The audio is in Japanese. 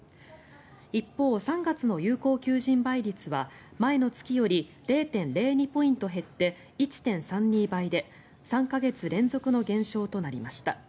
一方、３月の有効求人倍率は前の月より０．０２ポイント減って１．３２倍で３か月連続の減少となりました。